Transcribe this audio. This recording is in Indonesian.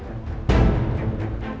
masih masih yakin